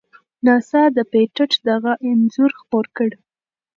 ناسا د پېټټ دغه انځور خپور کړ.